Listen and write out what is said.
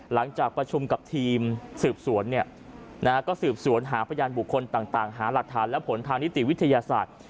หลังจากประชุมกับทีมสืบสวนก็สืบสวนหาพยานบุคคลต่างหาหลักฐานและผลทางนิติวิทยาศาสตร์